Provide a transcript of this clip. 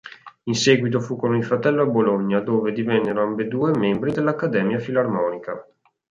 In seguito fu con il fratello a Bologna, dove divennero ambedue membri dell'Accademia Filarmonica.